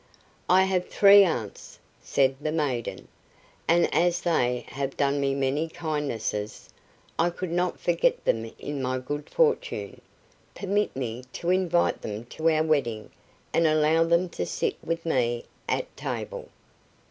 "I have three aunts," said the maiden, "and as they have done me many kindnesses, I could not forget them in my good fortune; permit me to invite them to our wedding and allow them to sit with me at table."